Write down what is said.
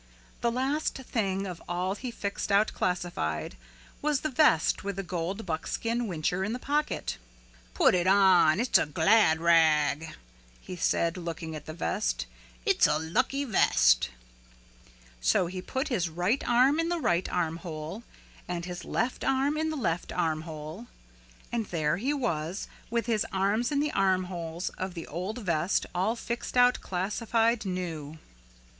The last thing of all he fixed out classified was the vest with the gold buckskin whincher in the pocket. "Put it on it's a glad rag," he said, looking at the vest. "It's a lucky vest." So he put his right arm in the right armhole and his left arm in the left armhole. And there he was with his arms in the armholes of the old vest all fixed out classified new.